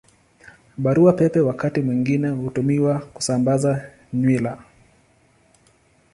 Barua Pepe wakati mwingine hutumiwa kusambaza nywila.